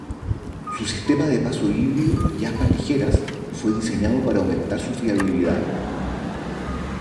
Su sistema de paso híbrido y aspas ligeras fue diseñado para aumentar su fiabilidad.